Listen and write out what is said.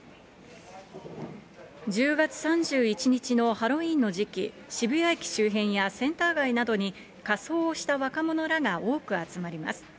１０月３１日のハロウィーンの時期、渋谷駅周辺やセンター街などに仮装した若者らが多く集まります。